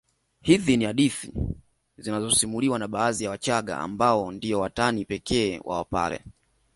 Hizi ni hadithi zinazosimuliwa na baadhi ya Wachaga ambao ndio watani pekee wa Wapare